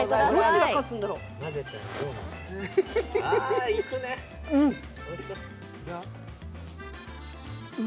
どっちが勝つんだろう？